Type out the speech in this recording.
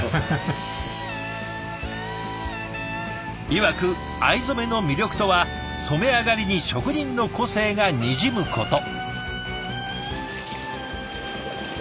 いわく藍染めの魅力とは染め上がりに職人の個性がにじむこと。